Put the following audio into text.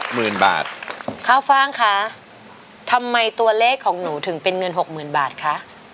หมื่นบาทข้าวฟ่างคะทำไมตัวเลขของหนูถึงเป็นเงินหกหมื่นบาทคะ